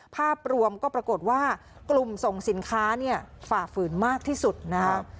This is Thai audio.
ภาพรวมก็ปรากฏว่ากลุ่มส่งสินค้าเนี่ยฝ่าฝืนมากที่สุดนะครับ